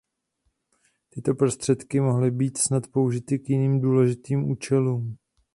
Tyto prostředky mohly být snad použity k jiným důležitým účelům.